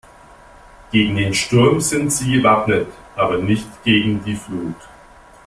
Gegen den Sturm sind sie gewappnet, aber nicht gegen die Flut.